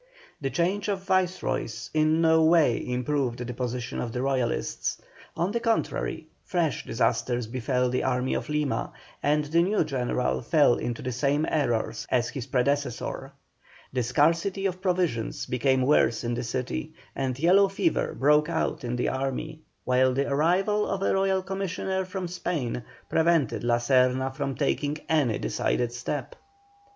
The change of Viceroys in no way improved the position of the Royalists; on the contrary, fresh disasters befell the army of Lima, and the new general fell into the same errors as his predecessor. The scarcity of provisions became worse in the city, and yellow fever broke out in the army, while the arrival of a royal commissioner from Spain prevented La Serna from taking any decided step.